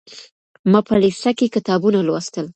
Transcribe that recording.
ما په لېسه کي کتابونه لوستل.